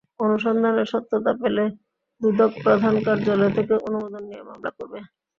অনুসন্ধানে সত্যতা পেলে দুদক প্রধান কার্যালয় থেকে অনুমোদন নিয়ে মামলা করবে।